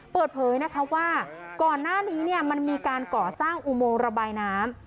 เปิดเผยนะคะว่าก่อนหน้านี้มันมีการก่อสร้างอุโมงระบายน้ำ